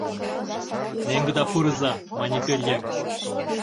— Мӧҥгыда пурыза, — мане пӧръеҥ.